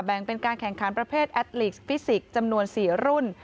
เป็นการแข่งขันประเภทแอดลิกสฟิสิกส์จำนวน๔รุ่น